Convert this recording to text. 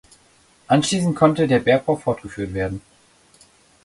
Anschließend konnte der Bergbau fortgeführt werden.